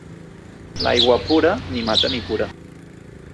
L'aigua pura ni mata ni cura.